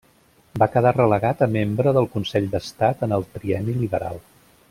Va quedar relegat a membre del Consell d'Estat en el Trienni Liberal.